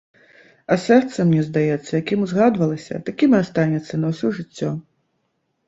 А сэрца, мне здаецца, якім узгадавалася, такім і астанецца на ўсё жыццё.